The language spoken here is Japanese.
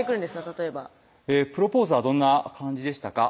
例えば「プロポーズはどんな感じでしたか？」